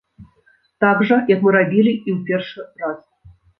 Так жа, як мы рабілі і ў першы раз.